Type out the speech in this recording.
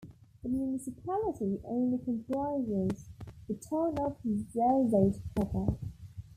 The municipality only comprises the town of Zelzate proper.